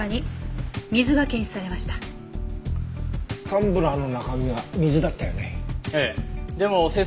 タンブラーの中身は水だったよね。